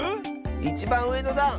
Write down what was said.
いちばんうえのだん！